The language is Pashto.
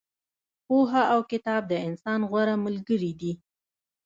پوهه او کتاب د انسان غوره ملګري دي.